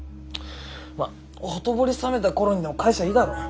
まっほとぼり冷めた頃にでも返せばいいだろ。